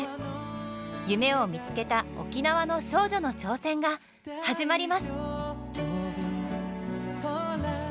夢を見つけた沖縄の少女の挑戦が始まります！